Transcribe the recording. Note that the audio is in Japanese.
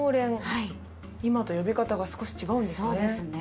はい今と呼び方が少し違うんですね